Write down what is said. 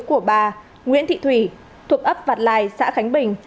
của bà nguyễn thị thủy thuộc ấp vạt lai xã khánh bình